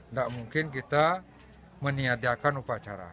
nggak mungkin kita meniadakan upacara